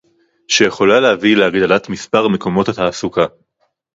שיכולה להביא להגדלת מספר מקומות התעסוקה